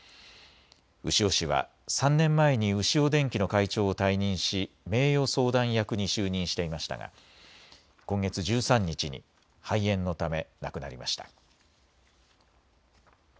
牛尾氏は３年前にウシオ電機の会長を退任し名誉相談役に就任していましたが今月１３日に肺炎のため亡くなりました。